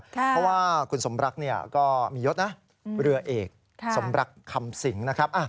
เพราะว่าคุณสมรักเนี่ยก็มียศนะเรือเอกสมรักคำสิงนะครับ